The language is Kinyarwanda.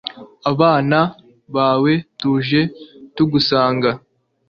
abana bawe tuje tugusanga